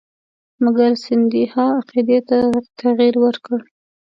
مګر سیندهیا عقیدې ته تغیر ورکړ.